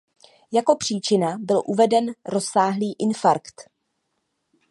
Jako příčina byl uveden rozsáhlý infarkt.